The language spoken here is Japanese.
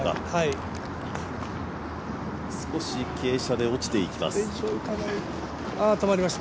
少し傾斜で落ちていきます。